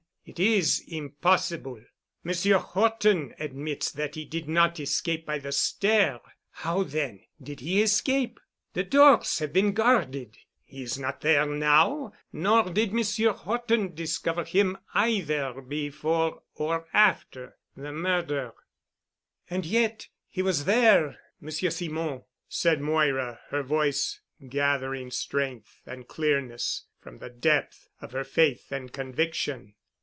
It is impossible. Monsieur Horton admits that he did not escape by the stair. How then did he escape? The doors have been guarded. He is not there now nor did Monsieur Horton discover him either before or after the murder——" "And yet he was there, Monsieur Simon——" said Moira, her voice gathering strength and clearness from the depth of her faith and conviction.